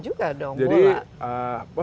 ini juga dong bola